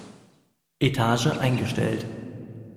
Etage eingestellt.